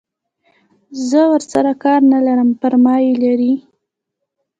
زه ورسره کار نه لرم پر ما یې لري.